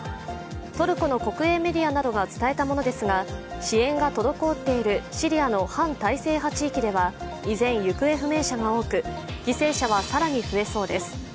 トルコの国営メディアなどが伝えたものですが支援が滞っているシリアの反体制派地域では依然、行方不明者が多く、犠牲者は更に増えそうです。